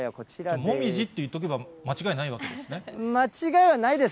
もみじって言っておけば、間違いはないです、